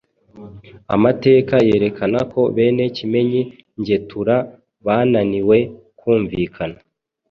Amateka yerekana ko bene Kimenyi Ngetura bananiwe kumvikana